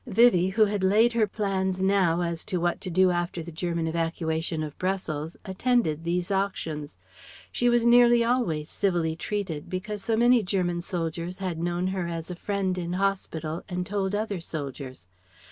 Vivie, who had laid her plans now as to what to do after the German evacuation of Brussels, attended these auctions. She was nearly always civilly treated, because so many German soldiers had known her as a friend in hospital and told other soldiers.